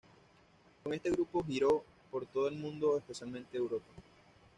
Con este grupo giró por todo el mundo, especialmente Europa.